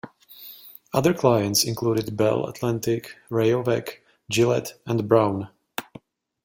Other clients included Bell Atlantic, Rayovac, Gillette, and Braun.